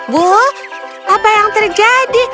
bu apa yang terjadi